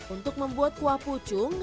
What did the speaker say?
untuk membuat kuah pucung